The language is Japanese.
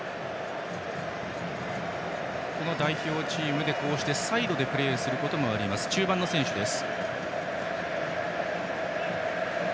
代表チームではこうしてサイドでプレーすることもある中盤の選手です。